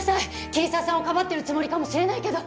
桐沢さんをかばってるつもりかもしれないけど。